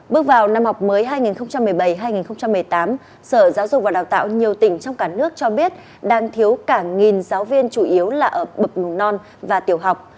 bước vào năm học mới hai nghìn một mươi bảy hai nghìn một mươi tám sở giáo dục và đào tạo nhiều tỉnh trong cả nước cho biết đang thiếu cả nghìn giáo viên chủ yếu là ở bậc mầm non và tiểu học